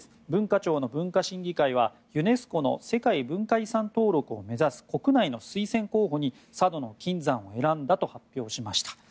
文化庁の文化審議会はユネスコの世界文化遺産を目指す国内の推薦候補に佐渡島の金山を選んだと発表しました。